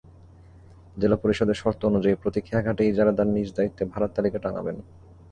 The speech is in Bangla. জেলা পরিষদের শর্ত অনুযায়ী, প্রতি খেয়াঘাটে ইজারাদার নিজ দায়িত্বে ভাড়ার তালিকা টাঙাবেন।